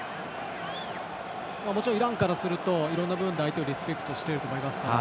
もちろんイランからするといろいろな部分で相手をリスペクトしていると思います。